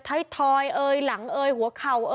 ถ้ายทอยเหลงเหลือข่าว